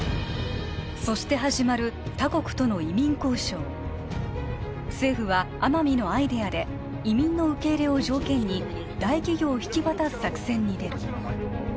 そして始まる他国との移民交渉政府は天海のアイデアで移民の受け入れを条件に大企業を引き渡す作戦に出る